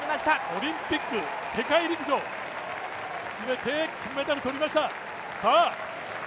オリンピック、世界陸上、全て金メダル取りました。